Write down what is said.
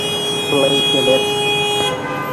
Шулай итәләр.